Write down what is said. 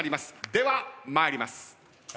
では参ります。